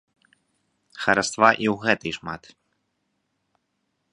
Хараства і ў гэтай шмат.